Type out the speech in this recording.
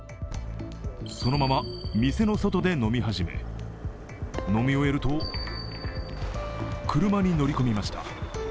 そのまま店の外で飲み始め飲み終えると車に乗り込みました。